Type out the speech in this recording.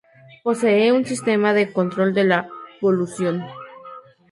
Posee un sistema de control de la polución.